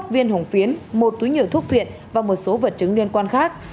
một trăm chín mươi một viên hồng phiến một túi nhựa thuốc viện và một số vật chứng liên quan khác